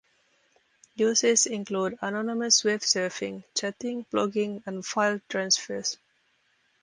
Uses include anonymous Web surfing, chatting, blogging and file transfers.